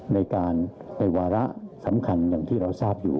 ในการในวาระสำคัญอย่างที่เราทราบอยู่